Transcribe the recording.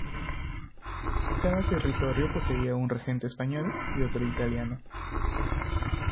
Cada territorio poseía un regente español y otro italiano.